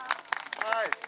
はい。